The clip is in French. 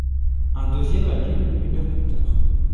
Un deuxième a lieu une heure plus tard.